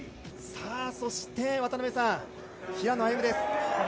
そして渡辺さん、平野歩夢です。